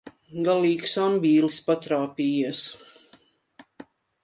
Galīgs ambīlis patrāpījies.